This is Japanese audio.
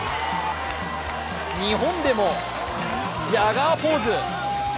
日本でもジャガーポーズ。